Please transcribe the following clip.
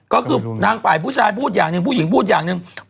ก็คือนางฝ่ายผู้ชายพูดอย่างหนึ่งผู้หญิงพูดอย่างหนึ่ง